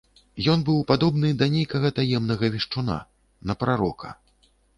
Ён быў падобны да нейкага таемнага вешчуна, на прарока.